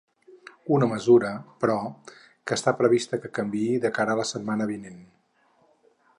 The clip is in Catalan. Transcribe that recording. Una mesura, però, que està prevista que canviï de cara a la setmana vinent.